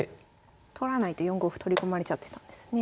取らないと４五歩取り込まれちゃってたんですね。